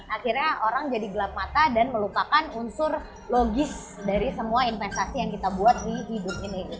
akhirnya orang jadi gelap mata dan melupakan unsur logis dari semua investasi yang kita buat di hidup ini